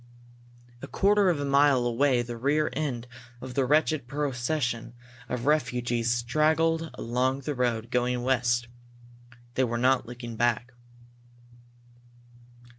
A quarter of a mile away the rear end of the wretched procession of refugees straggled along the road, going west. They were not looking back.